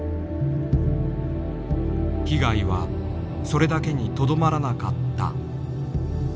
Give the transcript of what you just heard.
被害はそれだけにとどまらなかった。